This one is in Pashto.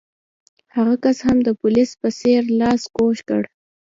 هغه کس هم د پولیس په څېر لاس کوږ کړ.